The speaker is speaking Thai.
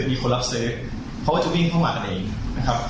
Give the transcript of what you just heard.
มีคนรับซื้อเพราะว่าจะวิ่งเข้ามากันเองนะครับ